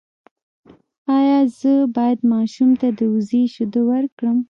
ایا زه باید ماشوم ته د وزې شیدې ورکړم؟